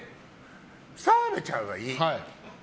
澤部ちゃんはいい。